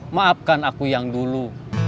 maafkan aku yang dulu